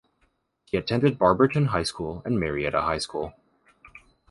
He attended Barberton High School, and Marietta High School.